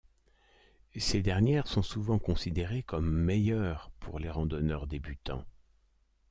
Ces dernières sont souvent considérés comme meilleures pour les randonneurs débutants.